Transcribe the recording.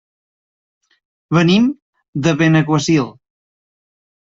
Venim de Benaguasil.